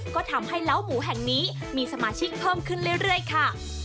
ก็ทำให้เล้าหมูแห่งนี้มีสมาชิกเพิ่มขึ้นเรื่อยค่ะ